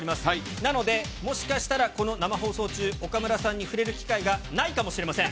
なので、もしかしたらこの生放送中、岡村さんに触れる機会がないかもしれません。